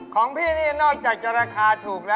ของพี่นี่นอกจากจะราคาถูกแล้ว